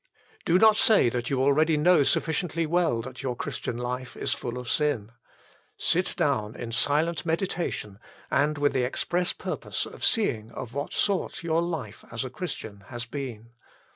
Do not say that you already know sufficiently well that your Christian life is full of sin. Sit down in silent meditation and with the express purpose of seeing of what sort your life as a Christian has been.